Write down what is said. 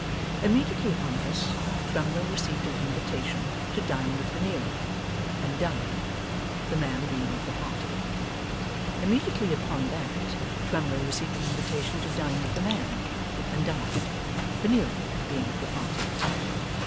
Immediately upon this, Twemlow received an invitation to dine with Veneering, and dined: the man being of the party. Immediately upon that, Twemlow received an invitation to dine with the man, and dined: Veneering being of the party.